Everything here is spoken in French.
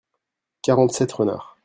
quarante sept renards.